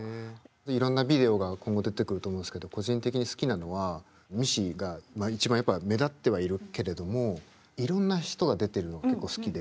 いろんなビデオが今後出てくると思うんすけど個人的に好きなのはミッシーが一番やっぱ目立ってはいるけれどもいろんな人が出てるのが結構好きで。